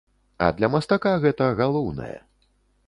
А для мастака гэта галоўнае.